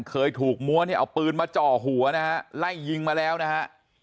เคยถูกมัวเนี่ยเอาปืนมาจ่อหัวนะฮะไล่ยิงมาแล้วนะฮะ